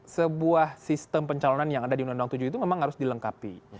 sebuah sistem pencalonan yang ada di undang undang tujuh itu memang harus dilengkapi